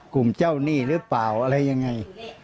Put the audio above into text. กลุ่มเจ้าหนี้หรือเปล่าอะไรยังไง